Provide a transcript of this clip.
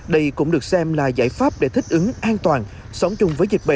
đây cũng được xem là giải pháp để thích hợp